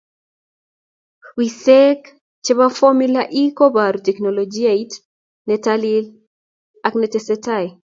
Wiseek che be Formula E koboruu teknolijait ne talil ak netesetai.